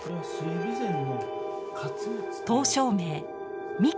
刀匠名三上